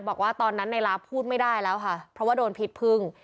บอกว่าตอนนั้นในลาฟพูดไม่ได้แล้วค่ะเพราะว่าโดนพิษพึ่ง